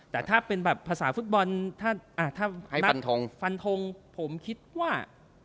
แต่ถ้าเป็นแบบภาษาฟุตบอลถ้าฟันทงผมคิดว่า